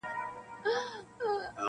ټولنه د اصلاح اړتيا لري ډېر-